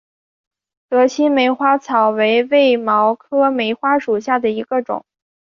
德钦梅花草为卫矛科梅花草属下的一个种。